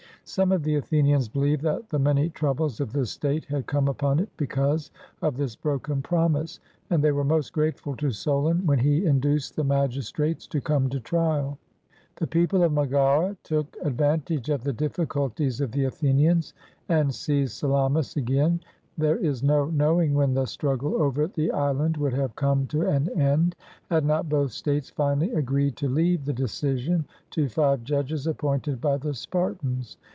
Some of the Athenians believed that the many troubles of the state had come upon it because of this broken promise, and they were most grateful to Solon when he induced the magistrates to come to trial. The people of Megara took S6 SOLON, WHO MADE LAWS FOR ATHENIANS advantage of the difficulties of the Athenians and seized Salamis again. There is no knowing when the struggle over the island would have come to an end, had not both states finally agreed to leave the decision to five judges appointed by the Spartans.